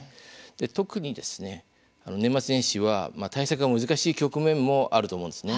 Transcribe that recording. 特にですね年末年始は対策が難しい局面もあると思うんです。